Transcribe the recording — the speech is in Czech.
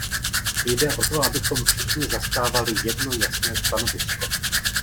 Jde o to, abychom všichni zastávali jedno jasné stanovisko.